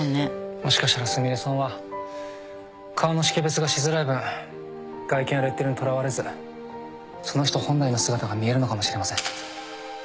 もしかしたらすみれさんは顔の識別がしづらい分外見やレッテルにとらわれずその人本来の姿が見えるのかもしれません